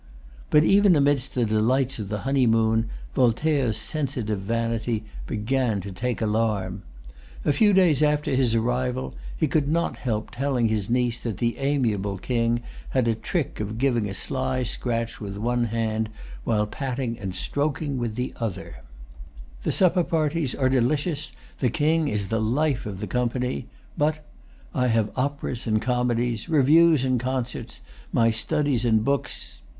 But even amidst the delights of the honeymoon, Voltaire's sensitive vanity began to take alarm. A few days after his arrival, he could not help telling his niece that the amiable King had a trick of giving a sly scratch with one hand, while patting and stroking with the other. Soon came hints not the less alarming, because mysterious. "The supper parties are delicious. The King is the life of the company. But—I have operas and comedies, reviews and concerts, my studies and books.